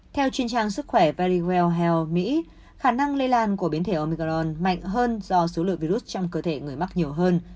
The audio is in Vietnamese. theo chuyên trang sức khỏe paris well health mỹ khả năng lây lan của biến thể omicron mạnh hơn do số lượng virus trong cơ thể người mắc nhiều hơn